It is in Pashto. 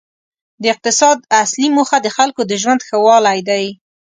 د اقتصاد اصلي موخه د خلکو د ژوند ښه والی دی.